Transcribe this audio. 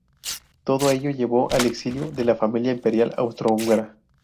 Todo ello llevó al exilio de la familia imperial austrohúngara.